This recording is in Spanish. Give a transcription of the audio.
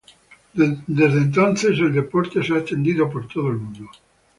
Desde entonces, el deporte se ha extendido por todo el mundo.